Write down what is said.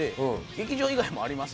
「劇場以外もあります」って。